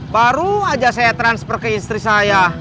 baru saja saya transfer ke istri saya